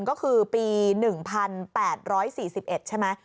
ก็คือปี๑๘๔๑ใช่ไหม